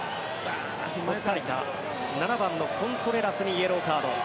コスタリカ７番のコントレラスにイエローカード。